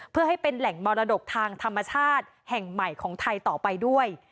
เพื่อให้เป็นแหล่งมรดกทางธรรมชาติแห่งใหม่ของไทยต่อไปด้วย